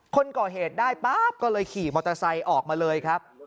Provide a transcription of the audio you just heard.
คนก่อเหตุได้ปั๊บก็เลยขี่มอเตอร์ไซค์ออกมาเลยครับ